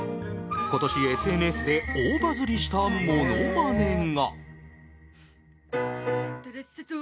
今年ＳＮＳで大バズりしたものまねが。